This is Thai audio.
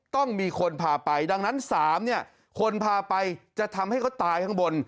ต้องมีคนพาไปดังนั้น๓เนี่ยคนพาไปจะทำให้เขาตายข้างบน